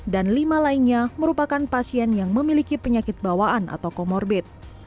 dan lima lainnya merupakan pasien yang memiliki penyakit bawaan atau comorbid